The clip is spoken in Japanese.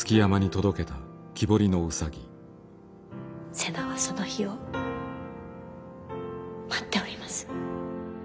瀬名はその日を待っております。